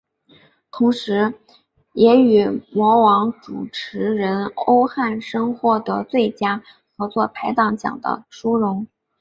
同时也与模王主持人欧汉声获得最佳合作拍档奖的殊荣。